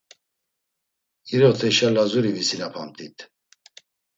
İroteşa Lazuri visinapamt̆it.